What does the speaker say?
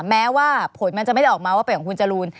แม้ว่าผลมันจะไม่ได้ออกมาว่าเป็นของคุณจรูน